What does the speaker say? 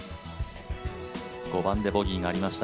５番でボギーがありました。